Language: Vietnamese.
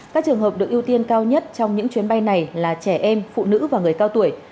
các trường hợp được ưu tiên cao nhất trong những chuyến bay này là trẻ em phụ nữ và người cao tuổi